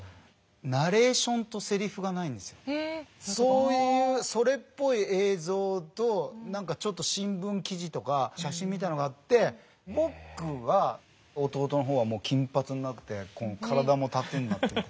そういうそれっぽい映像と何かちょっと新聞記事とか写真みたいのがあって僕は弟の方はもう金髪になって体もタトゥーになってて。